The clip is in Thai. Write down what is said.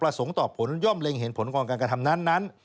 ส่งต่อผลย่อมเล็งเห็นผลของการกระทำนั้น